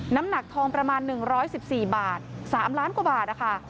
น้ำหนักทองประมาณหนึ่งร้อยสิบสี่บาทสามล้านกว่าบาทนะคะ